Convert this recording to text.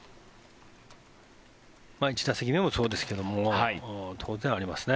１打席目もそうですけど当然ありますね。